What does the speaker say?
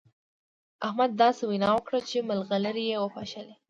احمد داسې وينا وکړه چې مرغلرې يې وپاشلې.